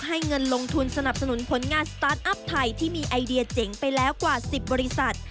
เงินลงทุนสนับสนุนผลงานสตาร์ทอัพไทยที่มีไอเดียเจ๋งไปแล้วกว่า๑๐บริษัท